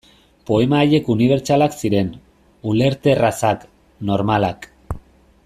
Poema haiek unibertsalak ziren, ulerterrazak, normalak.